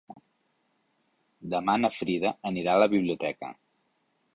Demà na Frida anirà a la biblioteca.